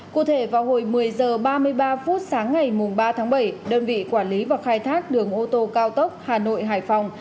cụ thể vào hồi một mươi h ba mươi ba phút sáng ngày ba tháng bảy đơn vị quản lý và khai thác đường ô tô cao tốc hà nội hải phòng